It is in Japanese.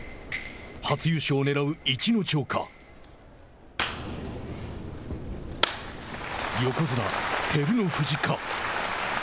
初優勝をねらう逸ノ城か横綱・照ノ富士か。